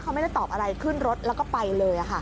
เขาไม่ได้ตอบอะไรขึ้นรถแล้วก็ไปเลย